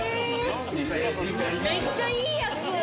めっちゃいいやつ。